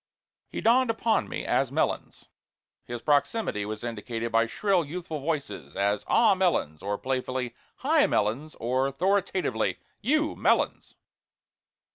He dawned upon me as Melons. His proximity was indicated by shrill, youthful voices as "Ah, Melons!" or playfully, "Hi, Melons!" or authoritatively, "You, Melons!"